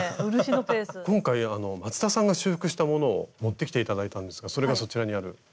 今回松田さんが修復したものを持ってきて頂いたんですがそれがそちらにある。